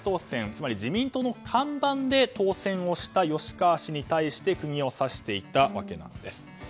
つまり自民党の看板で当選をした吉川氏に対して釘を刺していたわけなんです。